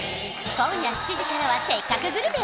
今夜７時からは「せっかくグルメ！！」